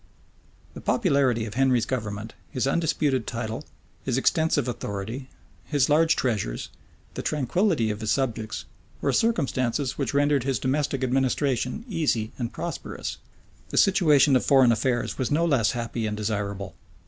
The popularity of Henry's government, his undisputed title, his extensive authority, his large treasures, the tranquillity of his subjects, were circumstances which rendered his domestic administration easy and prosperous: the situation of foreign affairs was no less happy and desirable.